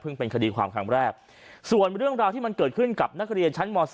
เป็นคดีความครั้งแรกส่วนเรื่องราวที่มันเกิดขึ้นกับนักเรียนชั้นม๓